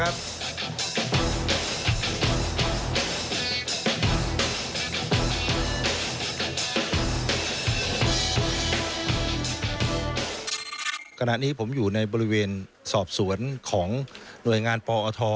ขณะนี้ผมอยู่ในบริเวณสอบสวนของหน่วยงานปอท